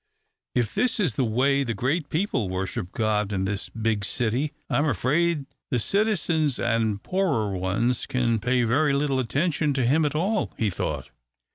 "If this is the way the great people worship God in this big city, I am afraid the citizens and poorer ones can pay very little attention to Him at all," he thought.